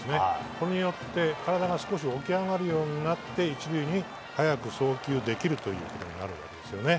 これによって体が起き上がるようになって１塁に早く送球できるということになるんです。